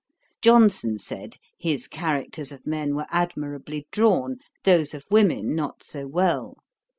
Johnson said, his characters of men were admirably drawn, those of women not so well.